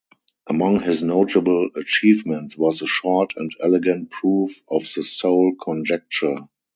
Among his notable achievements was a short and elegant proof of the soul conjecture.